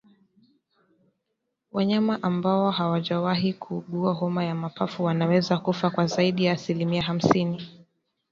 Wanyama ambao hawajawahi kuugua homa ya mapafu wanaweza kufa kwa zaidi ya asilimia hamsini